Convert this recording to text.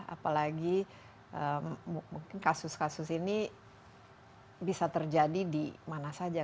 apalagi mungkin kasus kasus ini bisa terjadi di mana saja